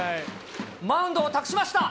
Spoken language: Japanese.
マウンドを託しました。